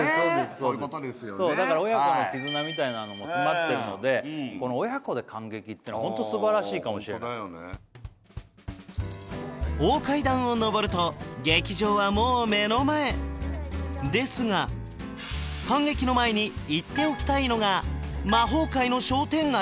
そういうことですよねだから親子の絆みたいなのも詰まってるので親子で観劇っていうのはホントすばらしいかもしれない大階段を上ると劇場はもう目の前ですが観劇の前に行っておきたいのが魔法界の商店街？